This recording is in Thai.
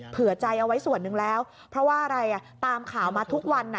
เผื่อใจเอาไว้ส่วนหนึ่งแล้วเพราะว่าอะไรอ่ะตามข่าวมาทุกวัน